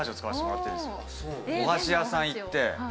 お箸屋さん行って。